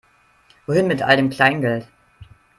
Wohin mit all dem Kleingeld?